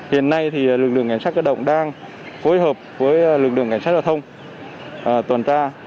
hiện nay lực lượng cảnh sát cơ động đang phối hợp với lực lượng cảnh sát giao thông tuần tra